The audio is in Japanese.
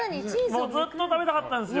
ずっと食べたかったんですよ！